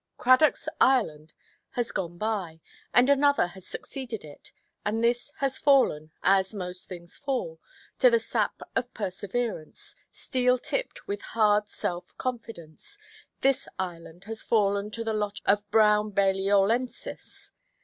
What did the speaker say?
Cradockʼs "Ireland" has gone by, and another has succeeded it, and this has fallen, as most things fall, to the sap of perseverance, steel–tipped with hard self–confidence—this Ireland has fallen to the lot of Brown Balliolensis.